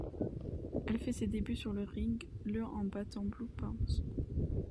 Elle fait ses débuts sur le ring le en battant Blue Pants.